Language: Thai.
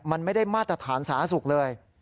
ไม่ได้มาตรฐานศาสุขเลย